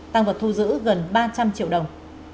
tăng vật thu giữ gần ba trăm linh triệu đồng